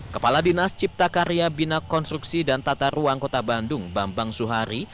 kepala dinas cipta karya bina konstruksi dan tata ruang kota bandung bambang zuhari